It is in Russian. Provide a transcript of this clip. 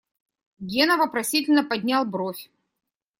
Гена вопросительно поднял бровь.